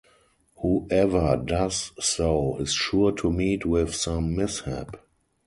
Whoever does so is sure to meet with some mishap.